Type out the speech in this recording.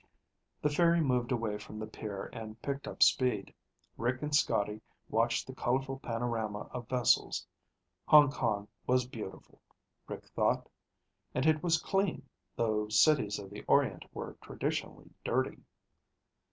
The ferry moved away from the pier and picked up speed. Rick and Scotty watched the colorful panorama of vessels. Hong Kong was beautiful, Rick thought. And it was clean, though cities of the Orient were traditionally dirty.